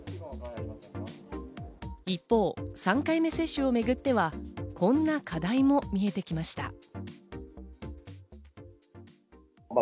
一方、３回目接種をめぐってはこんな課題も見えてきました。